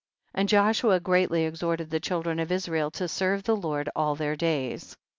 And Joshua greatly exhorted the children of Israel to serve the Lord all their days. 36.